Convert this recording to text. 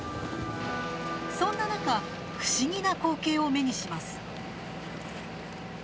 そんな中不思議な光景を目にします。